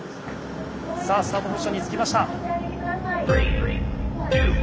さあスタートポジションにつきました。